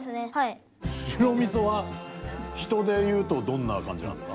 白味噌は人で言うとどんな感じなんですか？